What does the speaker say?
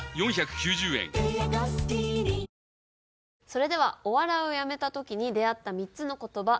それでは「お笑いをやめた時に出会った３つの言葉」。